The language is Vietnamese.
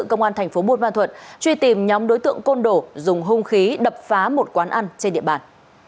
công an thành phố buôn ma thuật truy tìm nhóm đối tượng côn đổ dùng hung khí đập phá một quán ăn trên địa bàn